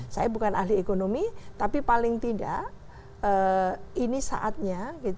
saya bukan ahli ekonomi tapi paling tidak ini saatnya